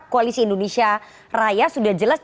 koalisi indonesia raya sudah jelas